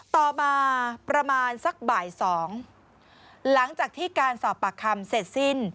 ต่อมาประมาณสักบ่ายสองหลังจากที่การสอบปากคำเสร็จสิ้น